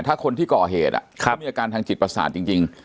ถ้าคนที่ก่อเหตุเขามีอาการทางจิตประสาทจริง